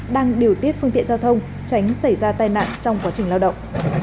đang điều tiết phương tiện giao thông tránh xảy ra tai nạn trong quá trình lao động